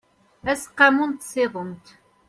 aseqqamu n tsiḍent